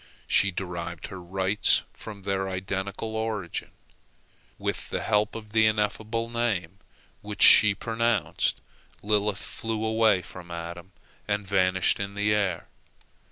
She derived her rights from their identical origin. With the help of the Ineffable Name, which she pronounced, Lilith flew away from Adam, and vanished in the air.